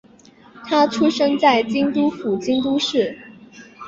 她出生在京都府京都市。